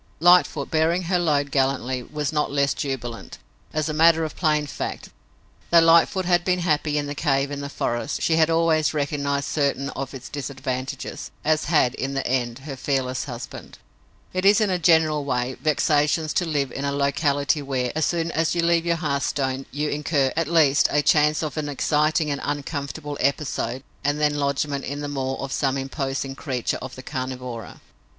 Lightfoot, bearing her load gallantly, was not less jubilant. As a matter of plain fact, though Lightfoot had been happy in the cave in the forest, she had always recognized certain of its disadvantages, as had, in the end, her fearless husband. It is, in a general way, vexatious to live in a locality where, as soon as you leave your hearthstone, you incur, at least, a chance of an exciting and uncomfortable episode and then lodgment in the maw of some imposing creature of the carnivora.